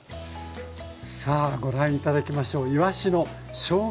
さあご覧頂きましょう。